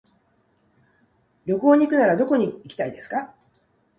旅行に行くならどこに行きたいですか。